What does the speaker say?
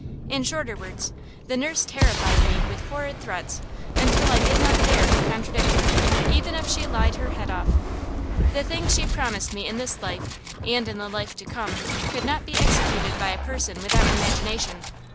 In shorter words, the nurse terrified me with horrid threats until I did not dare to contradict her even if she lied her head off. The things she promised me in this life and in the life to come could not be executed by a person without imagination.